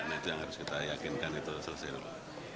dan itu yang harus kita yakinkan itu selesai dulu